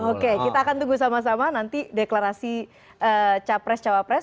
oke kita akan tunggu sama sama nanti deklarasi capres cawapres